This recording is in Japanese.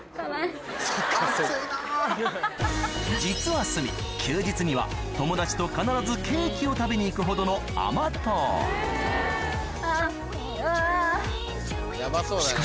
実は鷲見休日には友達と必ずケーキを食べに行くほどの甘党うわ。